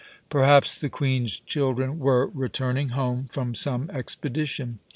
Perhaps the Queen's children were returning home from some expedition.